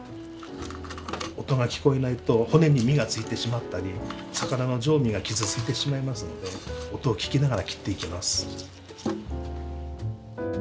音が聞こえないと骨に身が付いてしまったり魚の上身が傷ついてしまいますので音を聞きながら切っていきます。